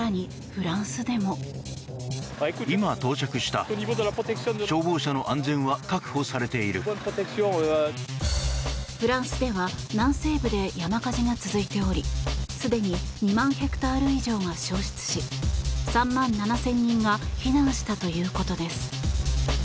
フランスでは南西部で山火事が続いておりすでに２万ヘクタール以上が焼失し３万７０００人が避難したということです。